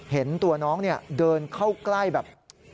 เห็นตัวน้องเดินเข้าใกล้แบบ